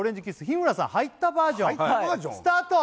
日村さん入ったバージョンスタート